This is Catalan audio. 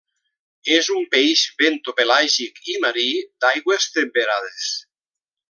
És un peix bentopelàgic i marí d'aigües temperades.